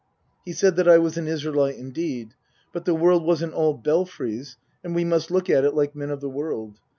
He said that I was an Israelite indeed. But the world wasn't all Belfries, and we must look at it like men of the world.